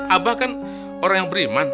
abah kan orang yang beriman